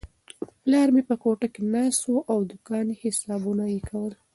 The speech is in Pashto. پلار مې په کوټه کې ناست و او د دوکان حسابونه یې کول.